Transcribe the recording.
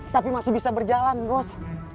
tapi masih bisa berjalan bos